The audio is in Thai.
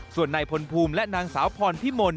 ส่วนนายพลภูมิและนางสาวพรพิมล